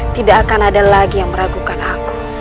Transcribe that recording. tidak akan ada lagi yang meragukan aku